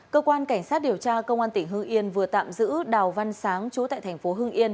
cơ quan cảnh sát điều tra công an tỉnh hưng yên vừa tạm giữ đào văn sáng chú tại thành phố hưng yên